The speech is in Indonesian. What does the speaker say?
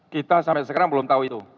kita sampai sekarang belum tahu itu